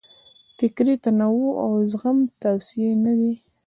فکري تنوع او زغم توصیې نه دي.